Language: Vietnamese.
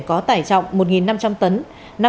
có tải trọng một năm trăm linh tấn